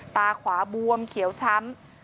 ตาขวาบวมเขียวช้ำ